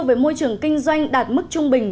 về môi trường kinh doanh đạt mức trung bình